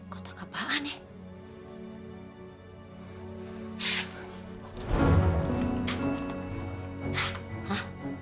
kotak apaan ya